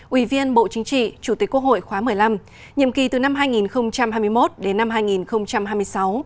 ủy viên bộ chính trị chủ tịch quốc hội khóa một mươi năm nhiệm kỳ từ năm hai nghìn hai mươi một đến năm hai nghìn hai mươi sáu